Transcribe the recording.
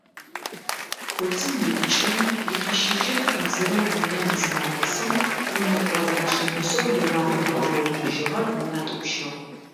Коцым иупкӏэн, икъищыжьын хьазырэу гъунэм зынагъэсым, ӏонэкӏо машинэжъэу ерагъэу агъэцэкӏэжьыгъэр атӏупщыгъ.